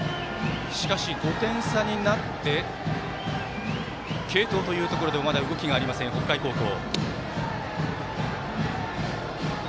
しかし、５点差になって継投というところではまだ動きがありません、北海高校。